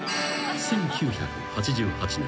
［１９８８年］